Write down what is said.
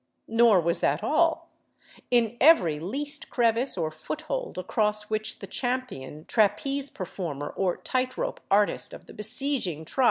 Nor was that all. In every least crevice or foothold across which the ti champion trapeze performer or tight rope artist of the besieging tribes 467 I!